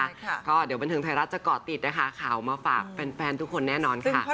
ค่ะก็เดี๋ยวบันเทิงไทยรัฐจะเกาะติดนะคะข่าวมาฝากแฟนทุกคนแน่นอนค่ะ